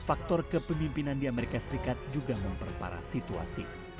faktor kepemimpinan di amerika serikat juga memperparah situasi